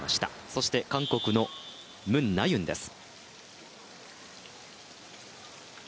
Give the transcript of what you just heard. そして韓国のムン・ナユンです。